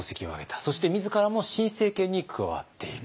そして自らも新政権に加わっていく。